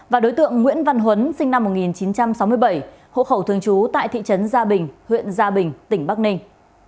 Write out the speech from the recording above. và đối tượng nguyễn văn huấn sinh năm một nghìn chín trăm sáu mươi bảy hộ khẩu thường trú tại thị trấn gia bình huyện gia bình tỉnh bắc ninh